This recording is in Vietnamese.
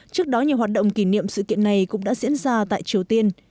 trước đó nhiều hoạt động kỷ niệm sự kiện này cũng đã diễn ra tại triều tiên